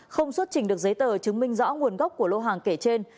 không xuất trình được giấy tờ chứng minh rõ nguồn gốc của lô hàng kể trên